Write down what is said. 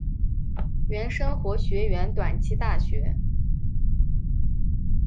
原生活学园短期大学。